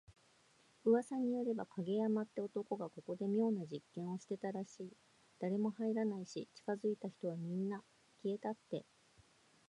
噂によれば、影山って男がここで妙な実験をしてたらしい。誰も入らないし、近づいた人はみんな…消えたって。